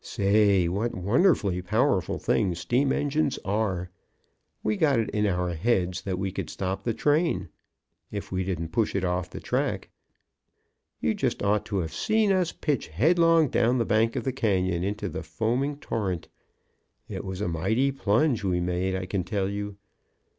Say, what wonderfully powerful things steam engines are! We got it in our heads that we could stop the train, if we didn't push it off the track. You just ought to have seen us pitch headlong down the bank of the canyon into the foaming torrent. It was a mighty plunge we made, I can tell you.